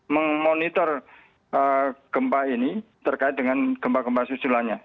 memonitor gempa ini terkait dengan gempa gempa susulannya